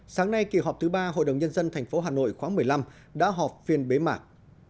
sáng nay kỳ họp thứ ba hội đồng nhân dân tp hà nội khóa một mươi năm đã họp phiên bế mạc